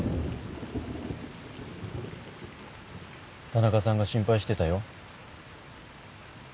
田中さんが心配してたよ。